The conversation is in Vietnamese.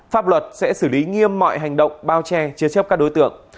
pháp luật sẽ xử lý nghiêm mọi hành động bao che chế chấp các đối tượng